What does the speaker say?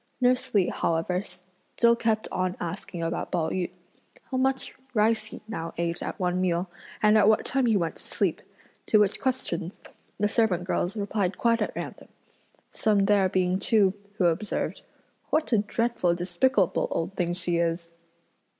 Nurse Li however still kept on asking about Pao yü, "How much rice he now ate at one meal? and at what time he went to sleep?" to which questions, the servant girls replied quite at random; some there being too who observed: "What a dreadful despicable old thing she is!"